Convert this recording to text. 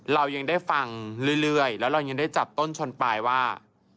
เรายังได้ฟังเรื่อยแล้วเรายังได้จับต้นชนปลายว่า